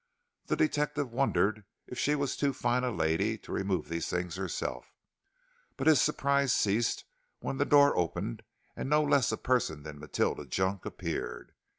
The detective wondered if she was too fine a lady to remove these things herself, but his surprise ceased when the door opened and no less a person than Matilda Junk appeared.